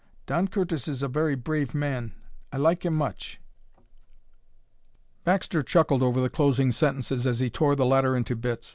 Don Curtis is a very brave man. I like him much." Baxter chuckled over the closing sentences as he tore the letter into bits.